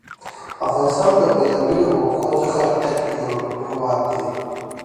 افغانستان له بېلابېلو اوښانو څخه ډک یو هېواد دی.